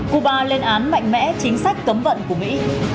cuba lên án mạnh mẽ chính sách cấm vận của mỹ